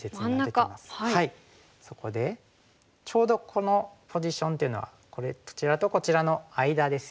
そこでちょうどこのポジションっていうのはこちらとこちらの間ですよね。